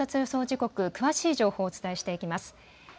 時刻、詳しい情報をお伝えしていきます。